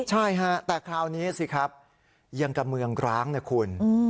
ใช่ฮะแต่คราวนี้สิครับยังกับเมืองร้างนะคุณ